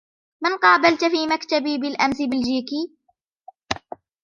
من قابلتَ في مكتبي بالأمس بلجيكي.